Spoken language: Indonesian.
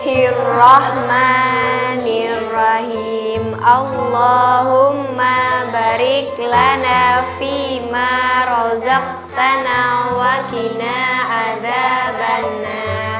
irrahmanirrahim allahumma barik lana fima rozaktan awaqina azabanna